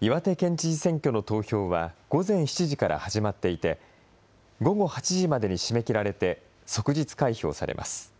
岩手県知事選挙の投票は午前７時から始まっていて、午後８時までに締め切られて、即日開票されます。